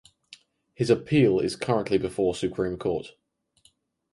His appeal is currently before Supreme Court.